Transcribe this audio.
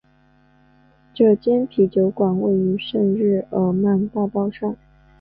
这间啤酒馆位于圣日耳曼大道上。